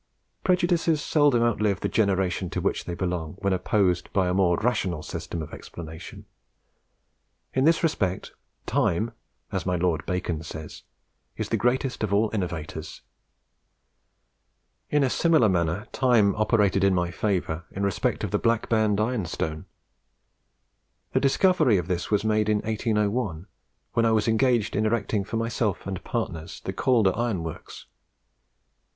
Prejudices seldom outlive the generation to which they belong, when opposed by a more rational system of explanation. In this respect, Time (as my Lord Bacon says) is the greatest of all innovators. "In a similar manner, Time operated in my favour in respect to the Black Band Ironstone. The discovery of this was made in 1801, when I was engaged in erecting for myself and partners the Calder Iron Works.